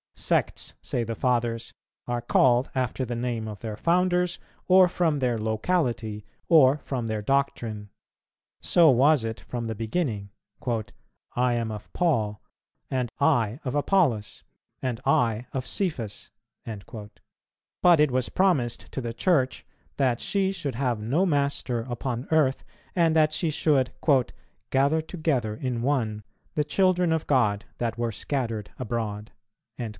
Sects, say the Fathers, are called after the name of their founders, or from their locality, or from their doctrine. So was it from the beginning: "I am of Paul, and I of Apollos, and I of Cephas;" but it was promised to the Church that she should have no master upon earth, and that she should "gather together in one the children of God that were scattered abroad."